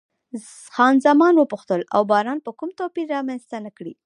خان زمان وپوښتل، او باران به کوم توپیر رامنځته نه کړي؟